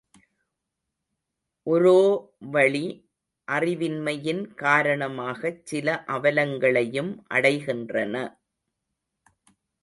ஒரோவழி, அறிவின்மையின் காரணமாகச் சில அவலங்களையும் அடைகின்றன.